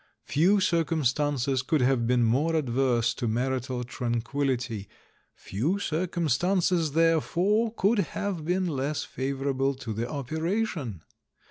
Few circumstances could have been more adverse to marital tranquil lity : few circumstances therefore could have been less favourable to the operation.